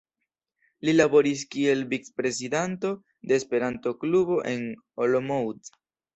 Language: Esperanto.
Li laboris kiel vicprezidanto de Esperanto-klubo en Olomouc.